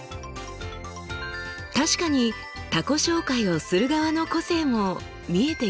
確かに他己紹介をする側の個性も見えてきそうですね。